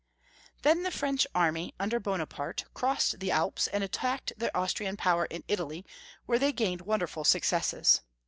Then the French army, under Bonaparte, crossed the Alps, and attacked the Austrian power in Italy, where they gained wonderful successes.